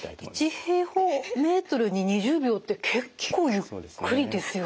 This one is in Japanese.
１平方メートルに２０秒って結構ゆっくりですよね。